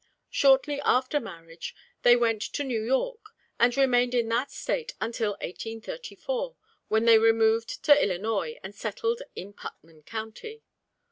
Shortly after marriage, they went to New York, and remained in that state until 1834, when they removed to Illinois, and settled in Putnam county.